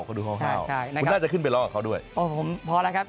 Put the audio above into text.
คุณน่าจะขึ้นไปรอกับเขาด้วยโอ้ผมพอแหละครับ